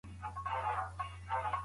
تاسو خپله اراده څنګه څرګندوی؟